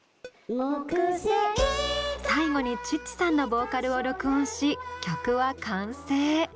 最後にチッチさんのボーカルを録音し曲は完成！